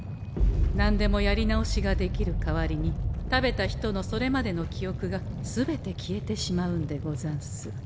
何でもやり直しができる代わりに食べた人のそれまでのきおくが全て消えてしまうんでござんす。